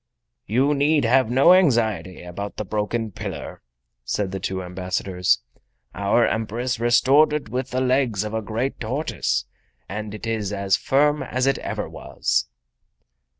"You need have no anxiety about the broken pillar," said the two ambassadors. "Our Empress restored it with the legs of a great tortoise, and it is as firm as ever it was."